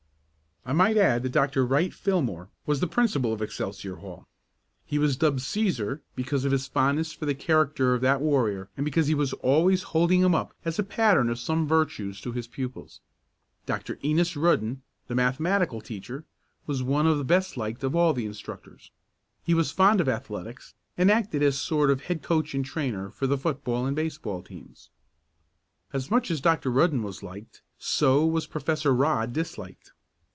I might add that Dr. Wright Fillmore was the principal of Excelsior Hall. He was dubbed "Cæsar" because of his fondness for the character of that warrior, and because he was always holding him up as a pattern of some virtues to his pupils. Dr. Enos Rudden the mathematical teacher was one of the best liked of all the instructors. He was fond of athletics, and acted as sort of head coach and trainer for the football and baseball teams. As much as Dr. Rudden was liked so was Professor Rodd disliked.